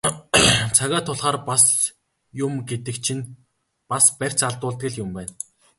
Цагаа тулахаар бас юм гэдэг чинь бас барьц алдуулдаг л юм байна.